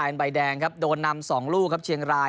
สองกาแยมใบแดงครับโดนนำสองลูกครับเชียงราย